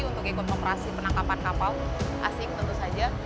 untuk ikut operasi penangkapan kapal asing tentu saja